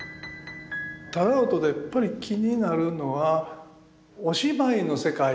楠音でやっぱり気になるのはお芝居の世界